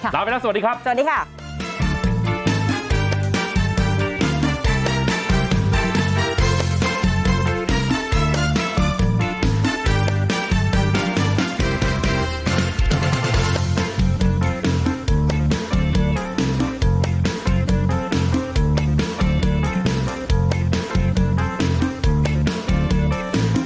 ลาไปแล้วสวัสดีครับสวัสดีค่ะ